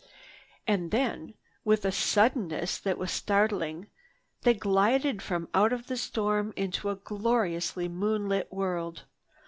And then, with a suddenness that was startling, they glided from out the storm into a gloriously moonlit world.